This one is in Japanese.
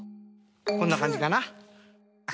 こんなかんじかな。